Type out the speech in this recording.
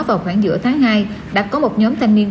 vào khoảng giữa tháng hai đã có một nhóm thanh niên